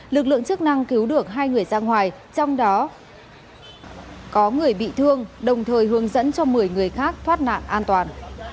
lực lượng chức năng cứu được hai người ra ngoài trong đó có người bị thương đồng thời hướng dẫn cho một mươi người khác thoát nạn an toàn